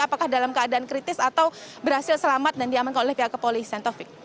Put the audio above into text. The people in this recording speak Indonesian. apakah dalam keadaan kritis atau berhasil selamat dan diamankan oleh pihak kepolisian taufik